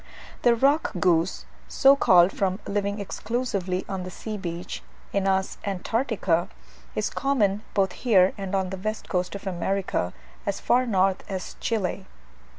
The rock goose, so called from living exclusively on the sea beach (Anas antarctica), is common both here and on the west coast of America, as far north as Chile.